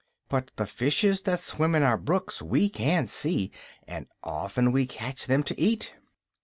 But the fishes that swim in our brooks we can see, and often we catch them to eat."